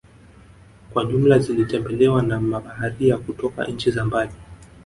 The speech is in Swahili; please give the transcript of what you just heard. kwa jumla zilitembelewa na mabaharia kutoka nchi za mbali